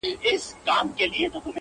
پرې کوي به یو د بل غاړي سرونه!.